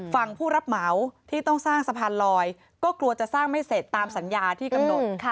ผู้รับเหมาที่ต้องสร้างสะพานลอยก็กลัวจะสร้างไม่เสร็จตามสัญญาที่กำหนด